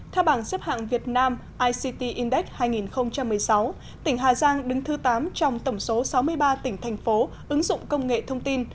theo bảng xếp hạng việt nam ict index hai nghìn một mươi sáu tỉnh hà giang đứng thứ tám trong tổng số sáu mươi ba tỉnh thành phố ứng dụng công nghệ thông tin